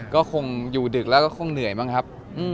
ก็คงอยู่ดึกแล้วก็คงเหนื่อยบ้างครับ